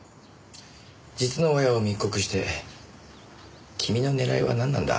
実の親を密告して君の狙いはなんなんだ？